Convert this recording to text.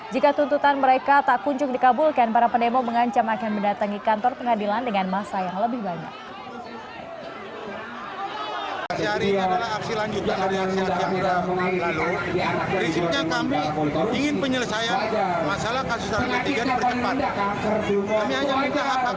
jika tuntutan mereka tak kunjung dikabulkan para pendemo mengancam akan mendatangi kantor pengadilan dengan masa yang lebih banyak